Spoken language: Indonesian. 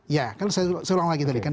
ya kan saya seulang lagi tadi kan